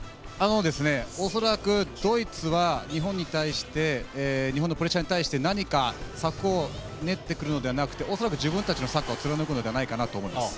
恐らくドイツは日本に対して、日本のプレッシャーに対して、何か策を練ってくるのではなくて、恐らく自分たちのサッカーを貫くのではないかなと思います。